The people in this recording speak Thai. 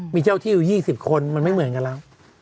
มีเจ้าที่อยู่๒๐คนมันไม่เหมือนกันแล้ว